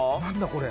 これ。